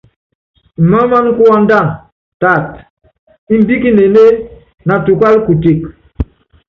Imáámaná kuándana, taata, imbíkínéné natukála kuteke.